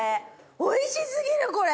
おいし過ぎるこれ！